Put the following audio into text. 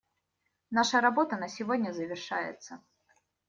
Наша работа на сегодня завершается.